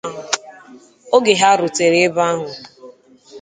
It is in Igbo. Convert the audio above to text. Oge ha rutere ebe ahụ